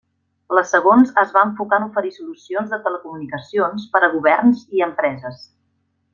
La segons es va enfocar en oferir solucions de telecomunicacions per a governs i empreses.